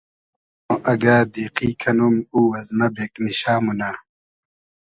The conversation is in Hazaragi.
ما اگۂ دیقی کئنوم او از مۂ بېگنیشۂ مونۂ